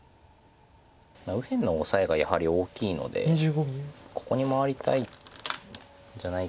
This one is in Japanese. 右辺のオサエがやはり大きいのでここに回りたいんじゃないかなとは。